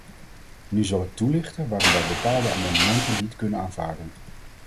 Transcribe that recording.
Nu zal ik toelichten waarom wij bepaalde amendementen niet kunnen aanvaarden.